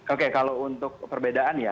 oke kalau untuk perbedaan ya